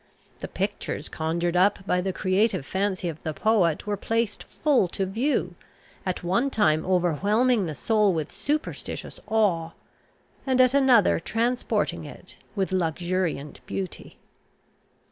The pictures conjured up by the creative fancy of the poet were placed full to view, at one time overwhelming the soul with superstitious awe, and at another transporting it with luxuriant beauty.